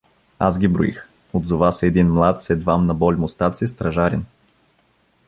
— Аз ги броих — отзова се един млад с едвам наболи мустаци стражарин.